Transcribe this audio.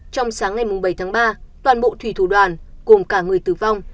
trong sáng ngày bảy tháng ba toàn bộ thủy thủ đoàn gồm cả người tử vong